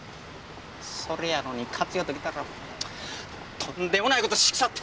それやのに勝代ときたらとんでもない事しくさって！